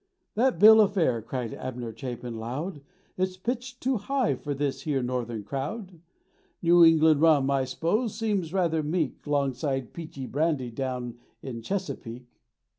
"That bill o' fare," cried Abner Chapin, loud, "Is pitched too high for this here Northern crowd: New England rum, I spose, seems rather meek 'Longside peach brandy down in Chesapeake.